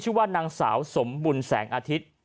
ขาวสมบุญแสงอาทิตย์